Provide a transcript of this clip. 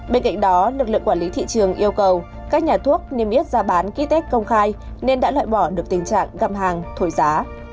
bên cạnh đó lực lượng quản lý thị trường yêu cầu các nhà thuốc niêm yết ra bán kit test công khai nên đã loại bỏ được tình trạng gặm hàng thổi giá